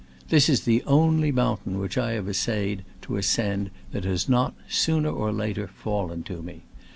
This is the only mountain which I have essayed to ascend that has not, sooner or later, fallen to me.